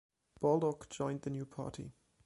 Baldock joined the new party.